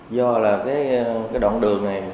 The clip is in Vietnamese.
do là cái đoạn đường này